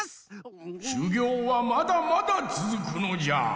しゅぎょうはまだまだつづくのじゃ！